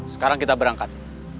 sekarang kita berangkat